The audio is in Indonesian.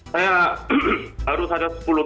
saya baru saja sepuluh tahun